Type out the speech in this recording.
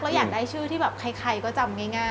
เราอยากได้ชื่อที่แบบใครก็จำง่ายอะค่ะ